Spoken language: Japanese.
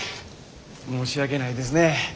申し訳ないですね。